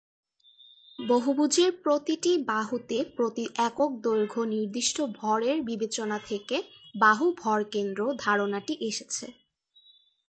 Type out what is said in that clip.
বহুভুজের প্রতিটি বাহুতে প্রতি একক দৈর্ঘ্য নির্দিষ্ট ভরের বিবেচনা থেকে ""বাহু ভরকেন্দ্র"" ধারণাটি এসেছে।